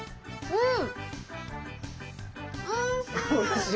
うん。